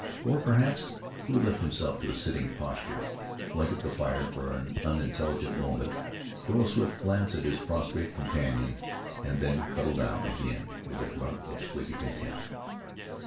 Or, perhaps, he would lift himself to a sitting posture, blink at the fire for an unintelligent moment, throw a swift glance at his prostrate companion, and then cuddle down again with a grunt of sleepy content.